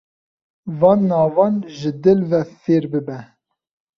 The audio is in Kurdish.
Van navan ji dil ve fêr bibe.